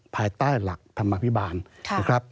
ภายใต้หลักธรรมพิบาล